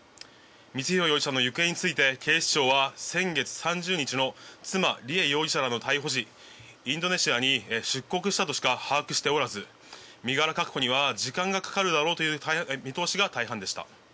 光弘容疑者の行方について警視庁は先月３０日の妻・梨恵容疑者の逮捕時インドネシアに出国したとしか把握しておらず身柄確保には時間がかかるだろうという見通しが大半でした。